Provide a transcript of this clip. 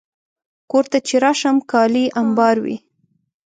کور ته چې راشم، کالي امبار وي.